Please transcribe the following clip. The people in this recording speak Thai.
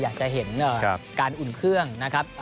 อยากจะเห็นการอุ่นเครื่องนะครับ